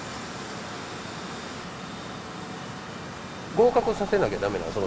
合格させなきゃ駄目なんですよ。